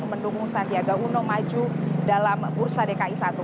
mendukung sandiaga uno maju dalam bursa dki satu